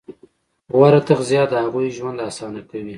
غوره تغذیه د هغوی ژوند اسانه کوي.